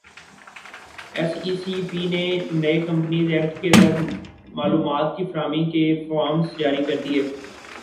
S E C P نے نئے companies act کے تحت معلومات کی فراہمی کے فارمز جاری کردیئے